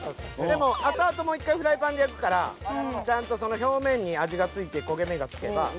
でもあとあともう１回フライパンで焼くからちゃんと表面に味が付いて焦げ目が付けば。